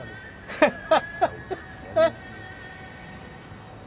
ハハハハハ！